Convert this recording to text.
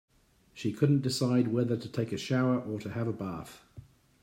She couldn't decide whether to take a shower or to have a bath.